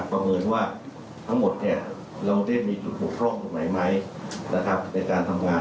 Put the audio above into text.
ประเมินว่าทั้งหมดเราได้มีสุขพร่องหมายในการทำงาน